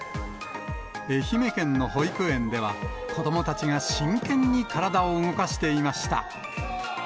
愛媛県の保育園では、子どもたちが真剣に体を動かしていました。